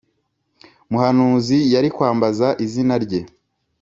muhanuzi yari kwambaza izina rye